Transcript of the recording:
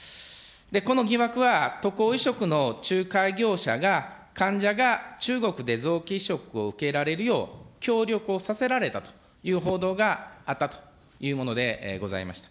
この疑惑は、渡航移植の仲介業者が患者が中国で臓器移植を受けられるよう協力をさせられたという報道があったというものでございました。